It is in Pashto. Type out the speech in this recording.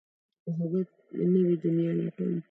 د محبت نوې دنيا لټوم